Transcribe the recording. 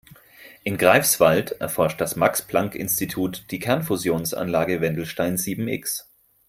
In Greifswald erforscht das Max-Planck-Institut die Kernfusionsanlage Wendelstein sieben-X.